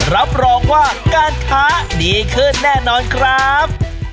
รับรองว่าการค้าดีขึ้นแน่นอนครับ